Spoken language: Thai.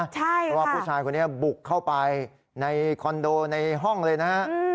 เพราะว่าผู้ชายคนนี้บุกเข้าไปในคอนโดในห้องเลยนะฮะ